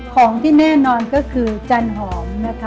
ของที่แน่นอนก็คือจันหอมนะคะ